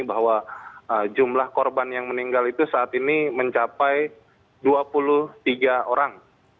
bahwa jumlah korban yang meninggal itu saat ini mencapai dua puluh tiga orang